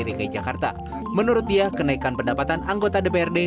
dki jakarta menurut dia kenaikan pendapatan anggota dprd